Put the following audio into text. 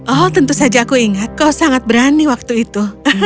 oh tentu saja aku ingat kau sangat berani waktu itu